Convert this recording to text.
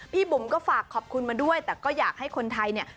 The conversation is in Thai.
บุ๋มก็ฝากขอบคุณมาด้วยแต่ก็อยากให้คนไทยเนี่ย